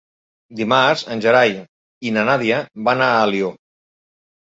Dimarts en Gerai i na Nàdia van a Alió.